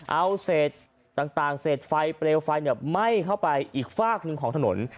เอาเศษต่างเศษไฟเปลวไฟไหม้เข้าไปอีกฝากหนึ่งของถนน